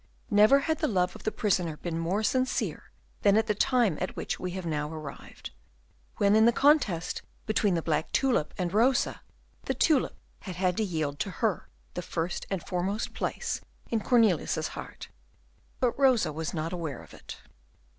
Never had the love of the prisoner been more sincere than at the time at which we are now arrived, when in the contest between the black tulip and Rosa the tulip had had to yield to her the first and foremost place in Cornelius's heart. But Rosa was not aware of it.